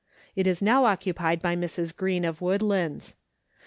It is now occupied by Mrs. Greene, of Woodlands.